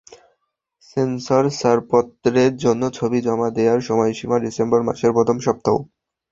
Sensor ছাড়পত্রের জন্য ছবি জমা দেওয়ার সময়সীমা ডিসেম্বর মাসের প্রথম সপ্তাহ।